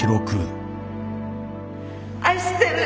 愛してる。